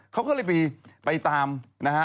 เขาก็เลยไปตามนะฮะ